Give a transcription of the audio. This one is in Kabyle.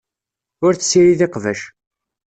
Ur tessirid iqbac.